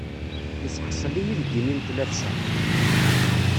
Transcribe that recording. Iseḥṣel-iyi deg imi n tlafsa.